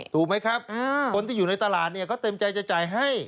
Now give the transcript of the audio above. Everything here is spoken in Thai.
ถูกไหมครับคนที่อยู่ในตลาดเนี่ยเขาเต็มใจจะจ่ายให้